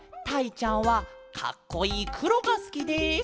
ちゃんはかっこいいくろがすきです」。